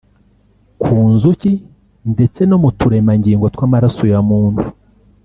ku nzuki ndetse no mu turemangingo tw’amaraso ya muntu